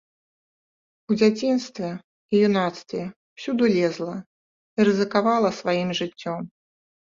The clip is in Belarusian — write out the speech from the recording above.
У дзяцінстве і юнацтве ўсюды лезла і рызыкавала сваім жыццём.